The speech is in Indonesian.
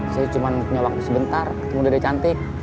saya cuma punya waktu sebentar ketemu dede cantik